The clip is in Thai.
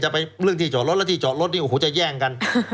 ไปเรื่องที่จอดรถแล้วที่จอดรถนี่โอ้โหจะแย่งกัน